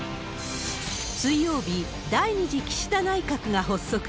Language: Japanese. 水曜日、第２次岸田内閣が発足。